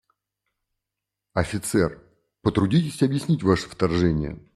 Офицер, потрудитесь объяснить ваше вторжение.